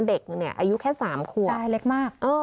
เด็กเนี้ยอายุแค่สามขวบใช่เล็กมากเออ